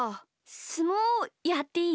すもうやっていい？